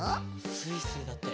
スイスイだって。